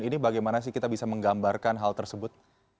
ini bagaimana sih kita bisa menggambarkan hal tersebut